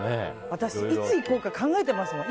私、いつ行こうか考えていますもん。